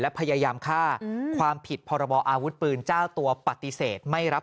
และพยายามฆ่าความผิดพรบออาวุธปืนเจ้าตัวปฏิเสธไม่รับ